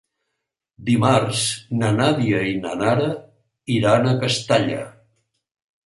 Dimarts na Nàdia i na Nara iran a Castalla.